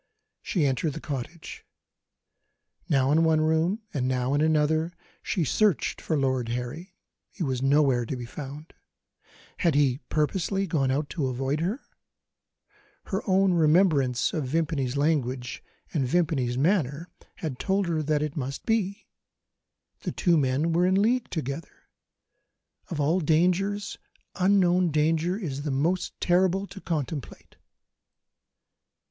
She entered the cottage. Now in one room, and now in another, she searched for Lord Harry; he was nowhere to be found. Had he purposely gone out to avoid her? Her own remembrance of Vimpany's language and Vimpany's manner told her that so it must be the two men were in league together. Of all dangers, unknown danger is the most terrible to contemplate.